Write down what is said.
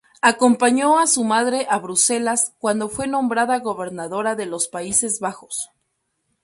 Acompañó a su madre a Bruselas cuando fue nombrada gobernadora de los Países Bajos.